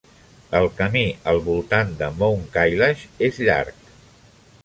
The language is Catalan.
El camí al voltant de Mount Kailash és llarg.